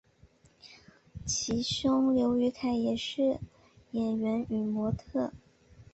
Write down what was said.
其兄刘雨凯也是演员与模特儿。